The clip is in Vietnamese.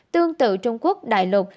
tương tự trung quốc đại lục